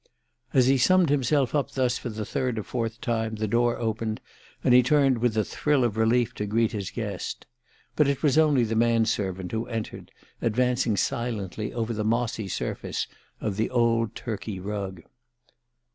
As he summed himself up thus for the third or fourth time the door opened and he turned with a thrill of relief to greet his guest. But it was only the man servant who entered, advancing silently over the mossy surface of the old Turkey rug.